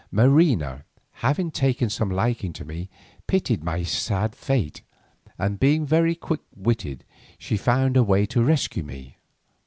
Marina having taken some liking to me, pitied my sad fate, and being very quick witted, she found a way to rescue me.